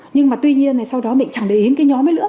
nhưng mà tuy nhiên là sau đó mình chẳng để ý cái nhóm ấy nữa